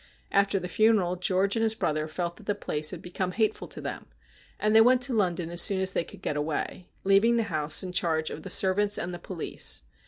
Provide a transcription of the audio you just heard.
After the funeral George and his brother felt that the place had become hateful to them, and they went to London as soon as they could get away, leaving the house in charge of the servants and the police.